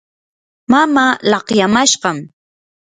mamaa laqyamashqam.